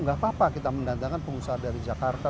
nggak apa apa kita mendatangkan pengusaha dari jakarta